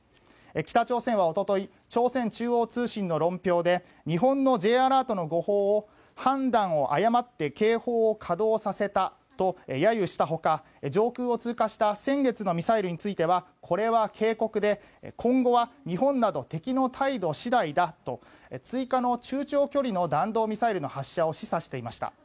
北朝鮮は一昨日朝鮮中央通信の論評で日本のＪアラートの誤報を判断を誤って警報を稼働させたと揶揄した他、上空を通過した先月のミサイルについてはこれは警告で今後は日本など敵の態度次第だと追加の中長距離の弾道ミサイルの発射を示唆していました。